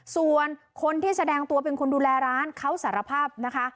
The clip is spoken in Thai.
ส่วนคนที่แสดงตัวเป็นคนดูแลร้านเขาสารภาพนะคะ